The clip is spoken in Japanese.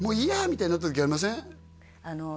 みたいになった時ありません？